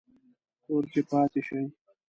کور کې پاتې شئ